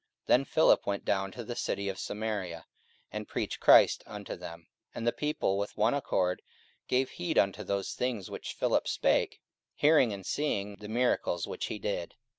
44:008:005 Then Philip went down to the city of Samaria, and preached Christ unto them. 44:008:006 And the people with one accord gave heed unto those things which Philip spake, hearing and seeing the miracles which he did.